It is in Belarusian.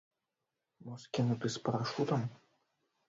Мо скінуты з парашутам?